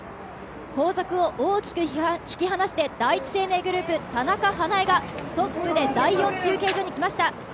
後続を大きく引き離して、第一生命グループ・田中華絵がトップで第４中継所に来ました。